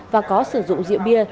và có sử dụng rượu bia